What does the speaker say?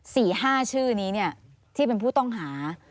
สี่ห้าชื่อนี้เนี่ยที่เป็นผู้ต้องหา